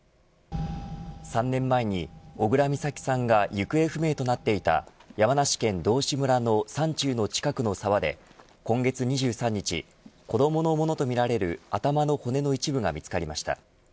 ３年前に小倉美咲さんが行方不明となっていた山梨県道志村の山中の近くの沢で今月２３日子どものものとみられる頭の骨の一部が見つかりました。